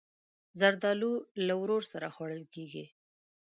زردالو له ورور سره خوړل کېږي.